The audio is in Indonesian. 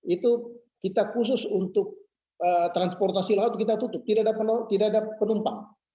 itu kita khusus untuk transportasi laut kita tutup tidak ada penumpang